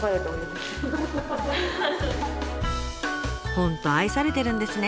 本当愛されてるんですね！